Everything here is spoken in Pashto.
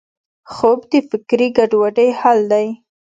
خوب د فکري ګډوډۍ حل دی